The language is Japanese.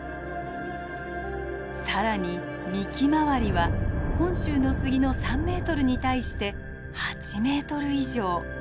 さらに幹周りは本州の杉の３メートルに対して８メートル以上。